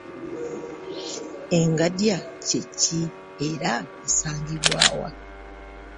Engadya kye ki era esangibwa wa?